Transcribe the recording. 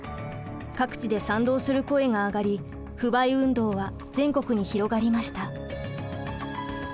各地で賛同する声が上がり不買運動は全国に広がりました。